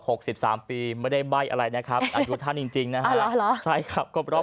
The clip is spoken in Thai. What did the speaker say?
สิบสามปีไม่ได้ใบ้อะไรนะครับอายุท่านจริงจริงนะฮะใช่ครับครบรอบ